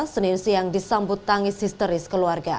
senin siang disambut tangis histeris keluarga